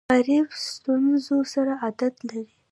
غریب د ستونزو سره عادت لري